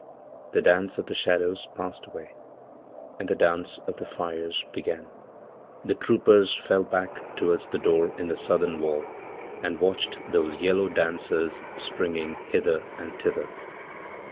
The danceof the shadows passed away, and the dance of the fires began. Thetroopers fell back towards the door in the southern wall, and watchedthose yellow dancers springing hither and thither.